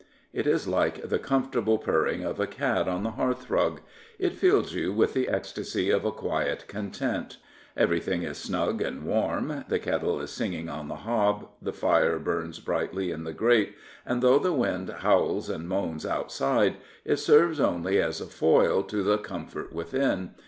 It is like the comfortable purring of a cat on the hearthrug. It fills you with the ecstasy of a quiet content. Every thing is snug and warm, the kettle is singing on the hob, the fire burns brightly in the grate, and though the wind howls and moans outside, it serves only as a foil to the comfort within.